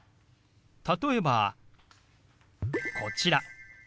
例えばこちら。